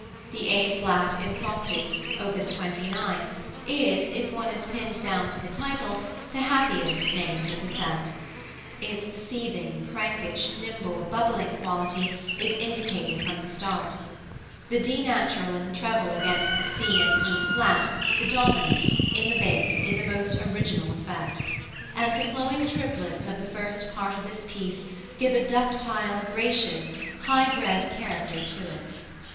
The A flat Impromptu, op. 29, is, if one is pinned down to the title, the happiest named of the set. Its seething, prankish, nimble, bubbling quality is indicated from the start; the D natural in the treble against the C and E flat the dominant in the bass is a most original effect, and the flowing triplets of the first part of this piece give a ductile, gracious, high bred character to it.